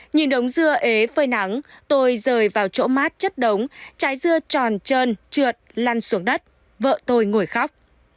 nhìn đống dưa ế phơi nắng tôi rời vào chỗ mát chất đống trái dưa tròn trơn trượt lăn xuống đất vợ tôi ngồi khóc